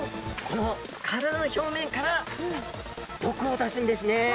この体の表面から毒を出すんですね。